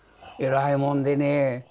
えらいもんでねえ